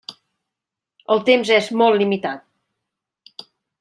El temps és molt limitat.